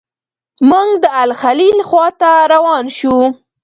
موږ د الخلیل خواته روان شوو.